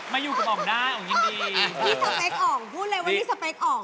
พี่สเปคอ๋องพูดเลยว่านี่สเปคอ๋อง